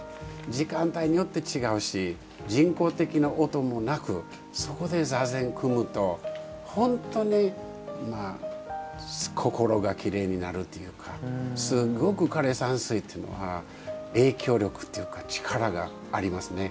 時間帯によって違うし人工的な音もなくそこで座禅組むと本当に心がきれいになるっていうかすっごく枯山水っていうのは影響力っていうか力がありますね。